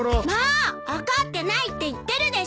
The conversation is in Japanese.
怒ってないって言ってるでしょ！